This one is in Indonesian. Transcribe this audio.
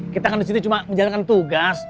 kita kan di sini cuma menjalankan tugas